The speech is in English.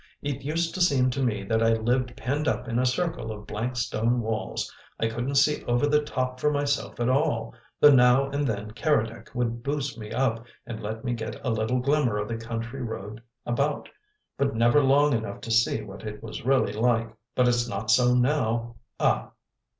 It used to seem to me that I lived penned up in a circle of blank stone walls; I couldn't see over the top for myself at all, though now and then Keredec would boost me up and let me get a little glimmer of the country round about but never long enough to see what it was really like. But it's not so now. Ah!"